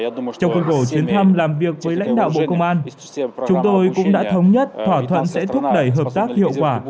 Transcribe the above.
trong cơn rổ chiến thăm làm việc với lãnh đạo bộ công an chúng tôi cũng đã thống nhất thỏa thuận sẽ thúc đẩy hợp tác hiệu quả